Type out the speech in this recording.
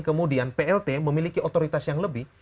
kemudian plt memiliki otoritas yang lebih